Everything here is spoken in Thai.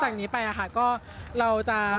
ใช่ค่ะก็ในไปหน้าจากนี้